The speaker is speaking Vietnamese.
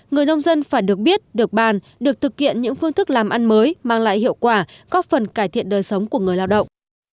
người nông dân phải được biết được bàn được thực hiện những phương thức làm ăn mới mang lại hiệu quả góp phần cải thiện đời sống của người lao động